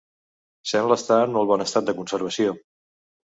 Sembla estar en molt bon estat de conservació.